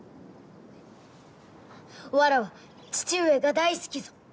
わらわ父上が大好きぞ。